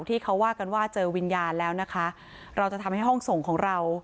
ที่เขาว่ากันว่าเจอวิญญาณแล้วนะคะเราจะทำให้ห้องส่งของเรา